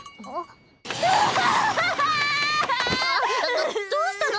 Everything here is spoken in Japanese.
どどうしたの？